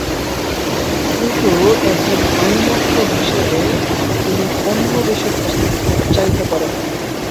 কিন্তু একজন আইনজ্ঞ হিসেবে তিনি অন্য দেশের হস্তক্ষেপ চাইতে পারেন না।